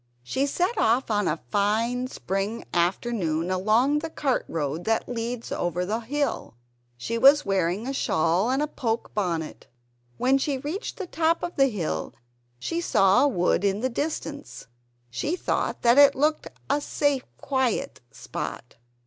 She set off on a fine spring afternoon along the cart road that leads over the hill. She was wearing a shawl and a poke bonnet. When she reached the top of the hill, she saw a wood in the distance. She thought that it looked a safe quiet spot.